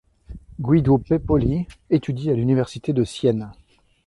Guido Pepoli étudie à l'université de Sienne.